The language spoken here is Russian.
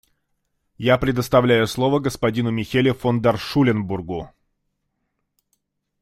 Я предоставляю слово господину Михелю фон дер Шуленбургу.